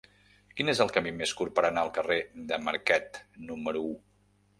Quin és el camí més curt per anar al carrer de Marquet número u?